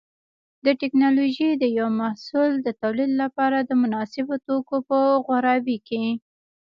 د ټېکنالوجۍ د یو محصول د تولید لپاره د مناسبو توکو په غوراوي کې.